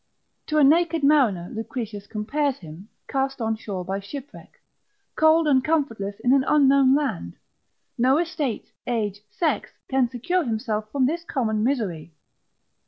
To a naked mariner Lucretius compares him, cast on shore by shipwreck, cold and comfortless in an unknown land: no estate, age, sex, can secure himself from this common misery.